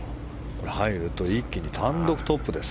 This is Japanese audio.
入ると一気に単独トップです。